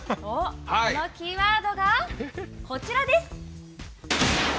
そのキーワードがこちらです。